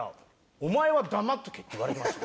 「お前は黙っとけ」って言われてましたよ